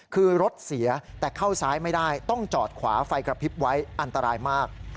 คือรถเสียแต่เข้าซ้ายไม่ได้ต้องจอดขวาไฟกระพริบไว้อันตรายมาก